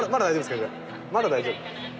まだ大丈夫？